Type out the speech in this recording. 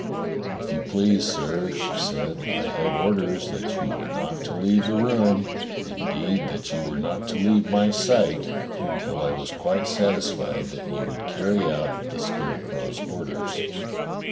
*'If you please, sir," she said, "I had orders that you were not to leave the room, indeed that you were not to leave my sight, until I was quite satisfied that you would carry out the Scarecrow's orders."